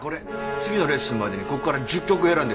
次のレッスンまでにこっから１０曲選んで譜読みしておけ。